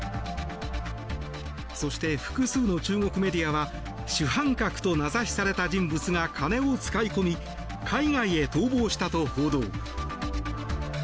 そして複数の中国メディアは主犯格と名指しされた人物が金を使い込み海外へ逃亡したと報道。